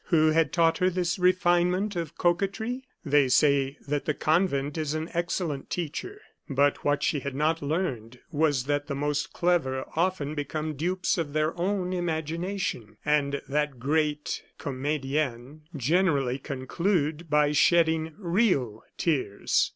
Who had taught her this refinement of coquetry? They say that the convent is an excellent teacher. But what she had not learned was that the most clever often become the dupes of their own imagination; and that great comediennes generally conclude by shedding real tears.